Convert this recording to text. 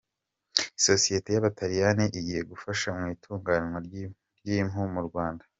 Sosiyete y’Abataliyani igiye gufasha mu itunganywa ry’impu mu Rwanda